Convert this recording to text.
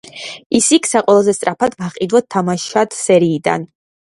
ის იქცა ყველაზე სწრაფად გაყიდვად თამაშად სერიიდან.